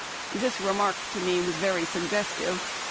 This remark to me was very suggestive.